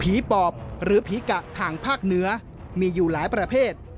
ปอบหรือผีกะทางภาคเหนือมีอยู่หลายประเภท